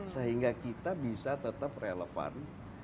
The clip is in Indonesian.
sehingga kita bisa tetap relevan